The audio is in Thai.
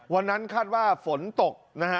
วันนั้นคาดว่าฝนตกนะฮะ